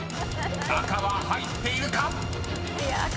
［赤は入っているか⁉］